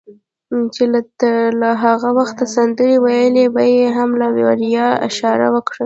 چې تا لا هغه وخت سندرې ویلې، ببۍ هم له ورایه اشاره وکړه.